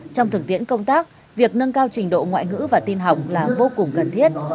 trong thực tiễn công tác việc nâng cao trình độ ngoại ngữ và tin học là vô cùng cần thiết